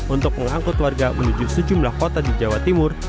untuk mengangkut warga menuju sejumlah kota di jawa timur